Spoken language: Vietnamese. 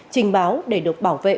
trình báo để được bảo vệ